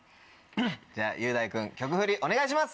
じゃあ雄大君曲フリお願いします！